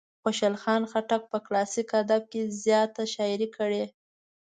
خوشال خان خټک په کلاسیک ادب کې زیاته شاعري کړې.